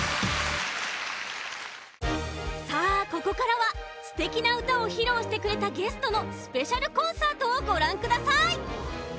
さあここからはすてきなうたをひろうしてくれたゲストのスペシャルコンサートをごらんください！